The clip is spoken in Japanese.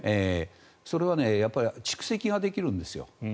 それは、蓄積ができるんですよ